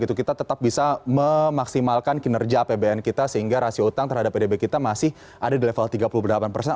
kita tetap bisa memaksimalkan kinerja apbn kita sehingga rasio utang terhadap pdb kita masih ada di level tiga puluh delapan persen